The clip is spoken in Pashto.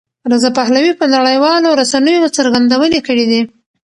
رضا پهلوي په نړیوالو رسنیو څرګندونې کړې دي.